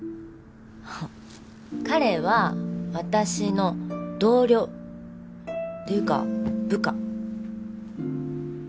彼は私の同僚。っていうか部下。